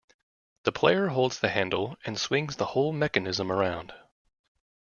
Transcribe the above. The player holds the handle and swings the whole mechanism around.